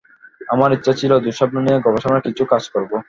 আমার ইচ্ছা ছিল দুঃস্বপ্ন নিয়ে গবেষণার কিছু কাজ করব।